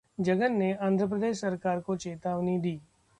जगन ने आंध्र प्रदेश सरकार को चेतावनी दी